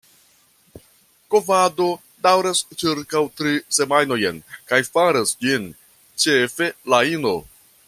Kovado daŭras ĉirkaŭ tri semajnojn kaj faras ĝin ĉefe la ino.